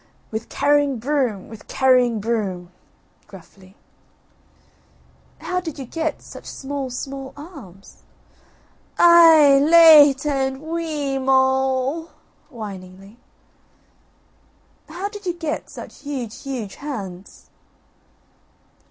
"With carrying broom, with carrying broom" (gruffly). "How did you get such small small arms?" "Aih h h! late and wee e e moul" (whiningly.) "How did you get such huge huge hands?"